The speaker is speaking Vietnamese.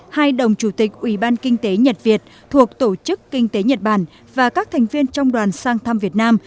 hai đồng chủ tịch ủy ban kinh tế nhật việt thuộc tổ chức kinh tế nhật bản và các thành viên trong đoàn sang thăm việt nam